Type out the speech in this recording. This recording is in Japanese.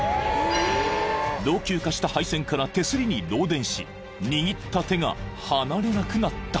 ［老朽化した配線から手すりに漏電し握った手が離れなくなった］